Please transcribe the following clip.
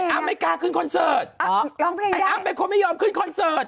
ไอ้อ้ำไม่กล้าขึ้นคอนเสิร์ตไอ้อ้ำเป็นคนไม่ยอมขึ้นคอนเสิร์ต